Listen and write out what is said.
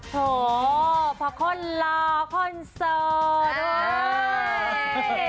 โหเพราะคนหล่าคนโสด